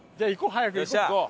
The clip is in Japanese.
早く行こう。